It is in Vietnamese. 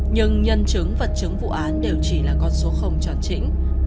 nhưng nhân chứng vật chứng vụ án đều chỉ là con số cho chính